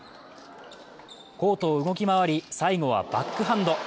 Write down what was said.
コートを動き回り、最後はバックハンド。